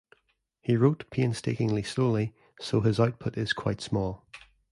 He wrote painstakingly slowly so his output is quite small.